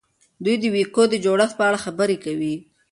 دوی د وییکو د جوړښت په اړه خبرې کوي.